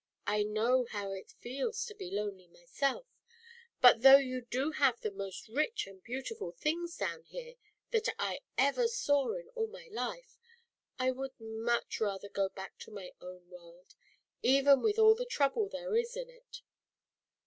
O ' J J J >w how it feels to be lonely myself, ;h you do have the most rich eautiful things down here that I ever saw in all my life, I would much rather go back to my own world, even with all the trouble there is in it.